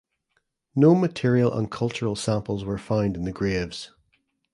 No material and cultural samples were found in the graves.